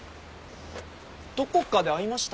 どこかで会いましたっけ。